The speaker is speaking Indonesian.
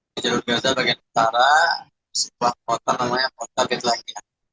di jalur biasa bagian utara sebuah kota namanya kota betlai